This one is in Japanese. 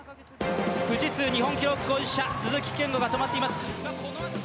富士通日本記録保持者鈴木健吾選手が止まっています。